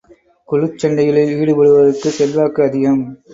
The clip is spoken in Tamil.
குழுச் சண்டைகளில் ஈடுபடுவோருக்குச் செல்வாக்கு அதிகம்.